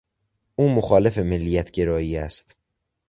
او مخالف ملیتگرایی است.